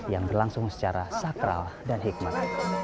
yang berlangsung secara sakral dan hikmat